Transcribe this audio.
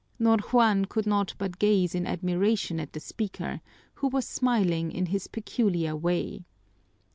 Ñor Juan could not but gaze in admiration at the speaker, who was smiling in his peculiar way.